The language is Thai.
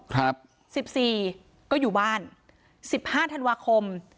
ครับสิบสี่ก็อยู่บ้านสิบห้าธันวาคม